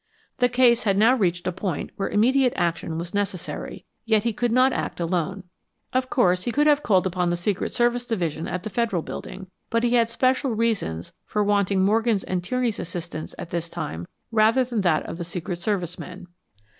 The case had now reached a point where immediate action was necessary, yet he could not act alone. Of course, he could have called upon the Secret Service Division at the Federal Building, but he had special reasons for wanting Morgan's and Tierney's assistance at this time rather than that of Secret Service men.